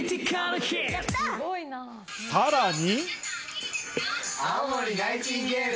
さらに。